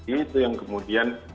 itu yang kemudian